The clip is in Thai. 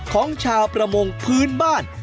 ของชาวประมงพื้นบ้าน